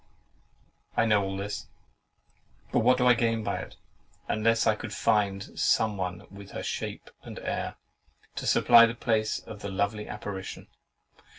I know all this; but what do I gain by it, unless I could find some one with her shape and air, to supply the place of the lovely apparition?